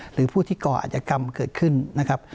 หรือผู้ที่ก่ออาจกรรมเกิดขึ้นนะครับ